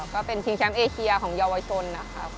ก็เป็นชิงแชมป์เอเชียของเยาวชนนะครับ